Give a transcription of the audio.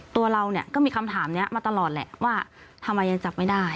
ตัวเราเนี่ยก็มีคำถามนี้มาตลอดแหละว่าทำไมยังจับไม่ได้